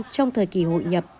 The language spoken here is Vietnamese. trong thời kỳ hội nhập